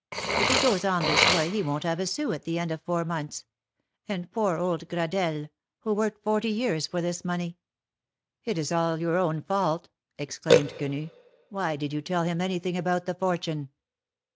If he goes on in this way he won't have a sou at the end of four months — and poor old Gradelle ! who worked forty years for this money !" It is all your own fault !" exclaimed Quenu. Why did you tell him anything about the fortune